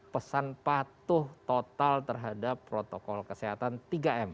pesan patuh total terhadap protokol kesehatan tiga m